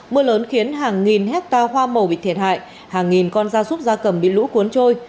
mưa lớn khiến hàng nghìn hectare hoa màu bị thiệt hại hàng nghìn con da súc da cầm bị lũ cuốn trôi